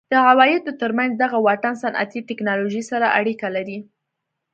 د عوایدو ترمنځ دغه واټن صنعتي ټکنالوژۍ سره اړیکه لري.